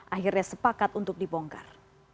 akhirnya sepakat untuk dibongkar